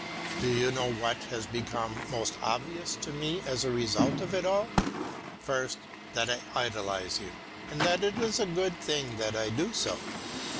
Do you know what has become most obvious to me as a result of it all? First, that I idolize you, and that it is a good thing that I do so.